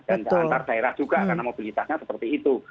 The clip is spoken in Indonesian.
antar daerah juga karena mobilitasnya seperti itu